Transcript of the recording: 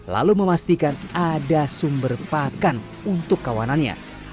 lalu memastikan ada sumber pakan untuk kawanannya